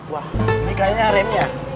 wah ini kayaknya remnya